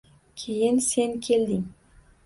Keyin sen kelding